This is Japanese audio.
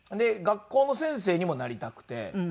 学校の先生にもなりたくて。